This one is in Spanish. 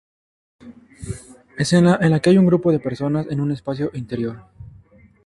Escena en la que hay un grupo de persona en un espacio interior.